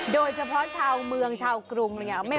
โดยเฉพาะชาวเมืองชาวกรุงอะไรอย่างนี้